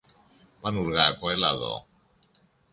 Πανουργάκο, έλα δω!